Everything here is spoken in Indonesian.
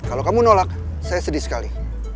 kalau kamu nolak saya sedih sekali